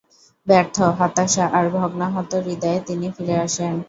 ব্যর্থ, হতাশা আর ভগ্নাহত হৃদয়ে তিনি ফিরে আসেন।